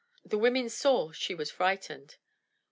The women saw she was frightened.